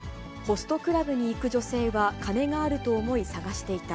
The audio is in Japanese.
調べに対し、容疑を認め、ホストクラブに行く女性は金があると思い探していた。